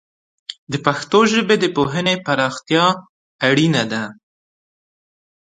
د پښتو ژبې د پوهنې پراختیا اړینه ده.